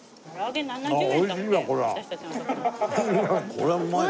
これはうまいわ。